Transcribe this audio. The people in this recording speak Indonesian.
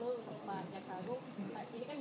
lalu pak jakhtar agung ini kan baru di dana pensiun